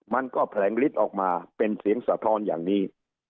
มันก็แผลงฤทธิ์ออกมาเป็นเสียงสะท้อนอย่างนี้